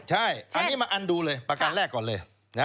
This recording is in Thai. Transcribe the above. ใช่อันนี้มาอันดูเลยประกันแรกก่อนเลย